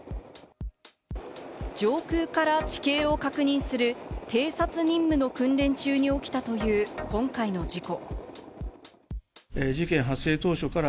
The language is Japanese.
上空から地形を確認する偵察任務の訓練中に起きたという今回の事故。